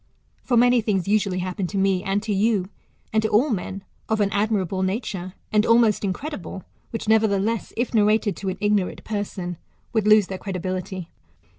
For many things usually happen to me and to you, and to all men, of an admirable nature, and almost in credible } which, nevertheless, if narrated to an ignorant person, would lose their credibility.